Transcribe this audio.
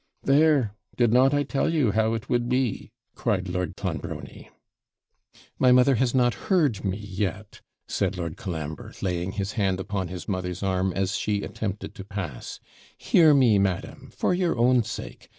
'There! did not I tell you how it would be?' cried Lord Clonbrony. 'My mother has not heard me, yet,' said Lord Colambre, laying his hand upon his mother's arm, as she attempted to pass; 'hear me, madam, for your own sake.